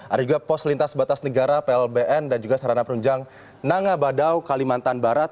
ada juga pos lintas batas negara plbn dan juga sarana perunjang nangabadau kalimantan barat